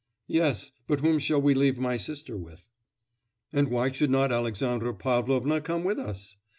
'Yes; but whom shall we leave my sister with?' 'And why should not Alexandra Pavlovna come with us?